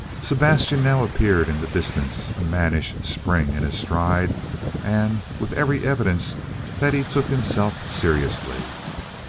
Sebastian now appeared in the distance, a mannish spring in his stride, and with every evidence that he took himself seriously.